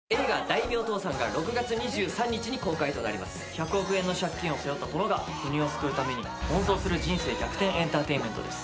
１００億円の借金を背負った殿が国を救うために奔走する人生逆転エンターテインメントです。